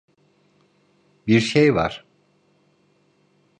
Bir şey var.